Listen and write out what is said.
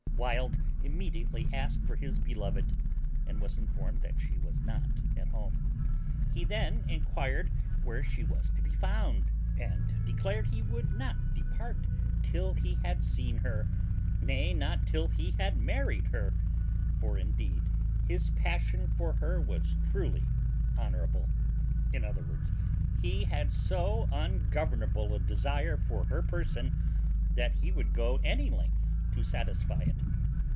Wild immediately asked for his beloved, and was informed that she was not at home. He then enquired where she was to be found, and declared he would not depart till he had seen her, nay not till he had married her; for, indeed, his passion for her was truly honourable; in other words, he had so ungovernable a desire for her person, that he would go any length to satisfy it.